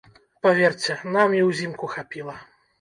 Паверце, нам і ўзімку хапіла.